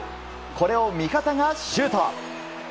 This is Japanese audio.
これを味方がシュート。